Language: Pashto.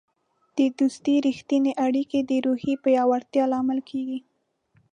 د دوستی رښتیني اړیکې د روحیې پیاوړتیا لامل کیږي.